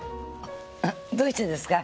あどうしてですか？